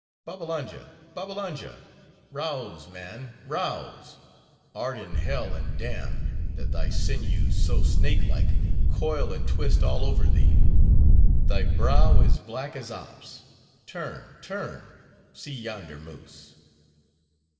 "Babbalanja! Babbalanja! rouse, man! rouse! Art in hell and damned, that thy sinews so snake like coil and twist all over thee? Thy brow is black as Ops! Turn, turn! see yonder moose!"